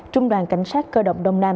trung đoàn cảnh sát cơ động đông nam